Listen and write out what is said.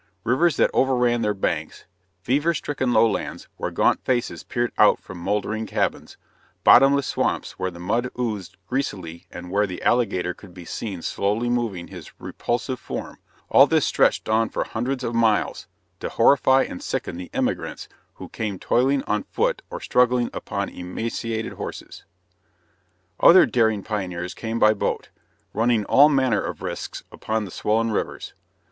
Rivers that overran their banks, fever stricken lowlands where gaunt faces peered out from moldering cabins, bottomless swamps where the mud oozed greasily and where the alligator could be seen slowly moving his repulsive form all this stretched on for hundreds of miles to horrify and sicken the emigrants who came toiling on foot or struggling upon emaciated horses. Other daring pioneers came by boat, running all manner of risks upon the swollen rivers.